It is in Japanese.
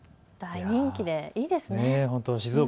大人気でいいですね。